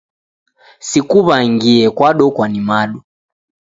Sikuw'angie kwadokwa ni madu.